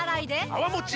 泡もち